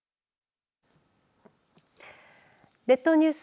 列島ニュース